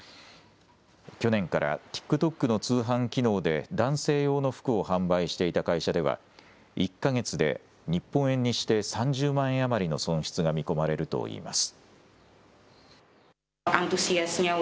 去年からＴｉｋＴｏｋの通販機能で男性用の服を販売していた会社では１か月で日本円にして３０万円余りの損失が見込まれるといいます。